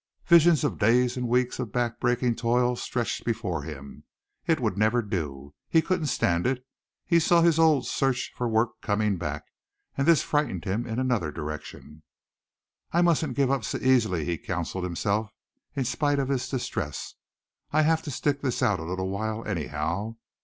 Visions of days and weeks of back breaking toil stretched before him. It would never do. He couldn't stand it. He saw his old search for work coming back, and this frightened him in another direction. "I mustn't give up so easily," he counseled himself in spite of his distress. "I have to stick this out a little while anyhow."